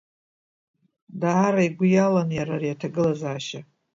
Даара игәы иалан иара ари аҭагылазаашьа.